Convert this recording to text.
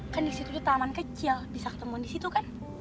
kan disitu tuh taman kecil bisa ketemuan disitu kan